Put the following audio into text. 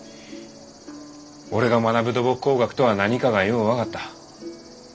俺が学ぶ土木工学とは何かがよう分かった。